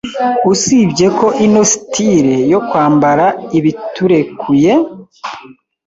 Usibye ko ino style yo kwambara ibiturekuye